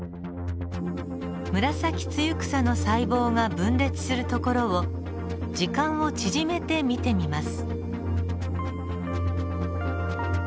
ムラサキツユクサの細胞が分裂するところを時間を縮めて見てみます。